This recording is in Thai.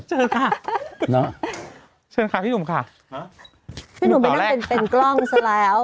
เชิญค่ะนะเชิญค่ะพี่หนุ่มค่ะฮะพี่หนุ่มไปนั่งเป็นเป็นกล้องซะแล้ว